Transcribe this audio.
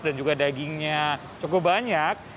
dan juga dagingnya cukup banyak